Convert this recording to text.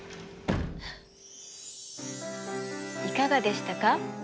いかがでしたか？